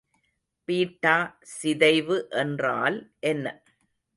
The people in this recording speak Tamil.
பீட்டா சிதைவு என்றால் என்ன?